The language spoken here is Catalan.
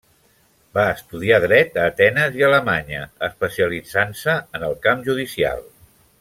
Va estudiar Dret a Atenes i Alemanya, especialitzant-se en el camp judicial.